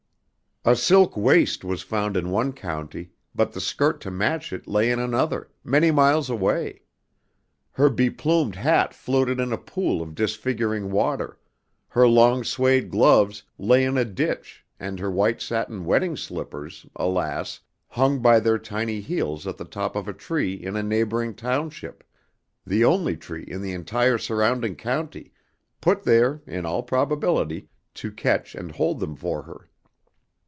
A silk waist was found in one county, but the skirt to match it lay in another, many miles away. Her beplumed hat floated in a pool of disfiguring water, her long suede gloves lay in a ditch and her white satin wedding slippers, alas, hung by their tiny heels at the top of a tree in a neighboring township, the only tree in the entire surrounding county, put there, in all probability, to catch and hold them for her.